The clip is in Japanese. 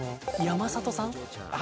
山里さん。